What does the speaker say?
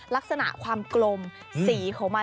ลักษณะความกลมสีของมัน